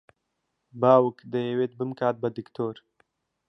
باوک دەیەوێت بمکات بە دکتۆر.